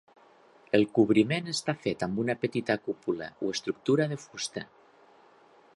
El cobriment està fet amb una petita cúpula o estructura de fusta.